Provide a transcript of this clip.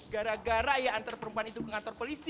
gara gara ia antar perempuan itu ke kantor polisi